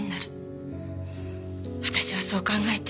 私はそう考えて。